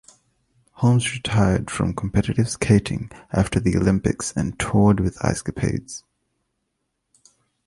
Holmes retired from competitive skating after the Olympics and toured with Ice Capades.